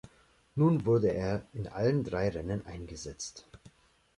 Nun wurde er in allen drei Rennen eingesetzt.